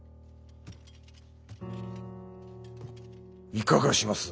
いかがします？